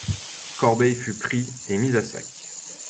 Corbeil fut pris et mis à sac.